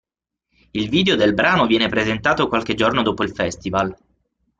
Il video del brano viene presentato qualche giorno dopo il Festival.